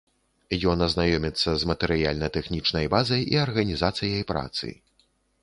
Ён азнаёміцца з матэрыяльна-тэхнічнай базай і арганізацыяй працы.